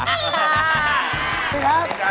ฟี้ครับ